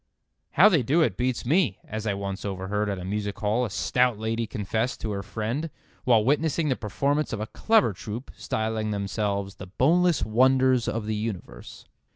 "How they do it beats me," as I once overheard at a music hall a stout lady confess to her friend while witnessing the performance of a clever troup, styling themselves "The Boneless Wonders of the Universe."